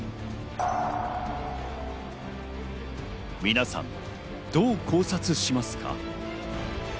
皆さん、どう考察しますか？